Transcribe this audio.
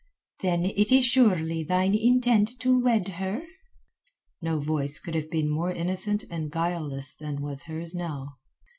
"Then it is surely thine intent to wed her." No voice could have been more innocent and guileless than was hers now.